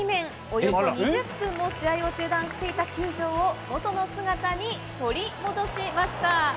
およそ２０分も試合を中断していた球場を元の姿にトリ戻しました。